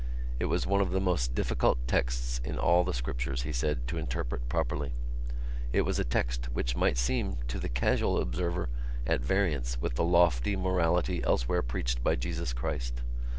It was one of the most difficult texts in all the Scriptures, he said, to interpret properly. It was a text which might seem to the casual observer at variance with the lofty morality elsewhere preached by Jesus Christ.